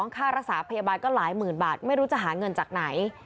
ค่ารักษาพยาบาลก็หลายหมื่นบาทไม่รู้จะหาเงินจากไหน